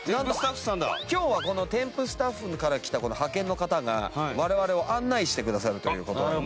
今日はテンプスタッフから来たこの派遣の方が我々を案内してくださるという事なので。